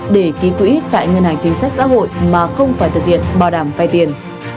để ký quỹ tại ngân hàng chính sách xã hội mà không phải thực hiện bảo đảm vay tiền